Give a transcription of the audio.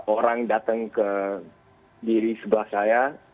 orang datang ke diri sebelah saya